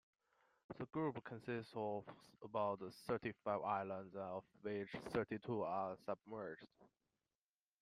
The group consists of about thirty-five islands, of which thirty-two are submerged.